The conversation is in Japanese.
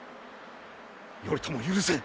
頼朝許せ！